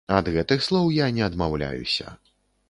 Ад гэтых слоў я не адмаўляюся.